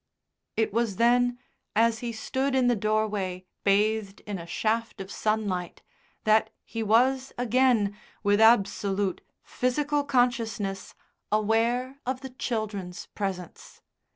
It was then, as he stood in the doorway, bathed in a shaft of sunlight, that he was again, with absolute physical consciousness, aware of the children's presence.